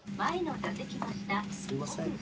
すいません